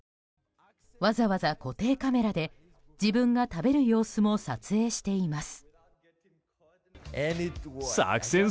わざわざ固定カメラで自分が食べる様子も撮影しています。